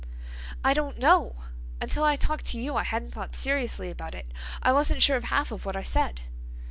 "I don't know. Until I talked to you I hadn't thought seriously about it. I wasn't sure of half of what I said."